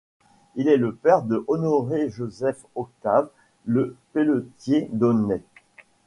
Il est le père de Honoré-Joseph-Octave Le Peletier d'Aunay.